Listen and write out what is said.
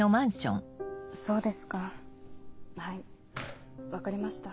そうですかはい分かりました。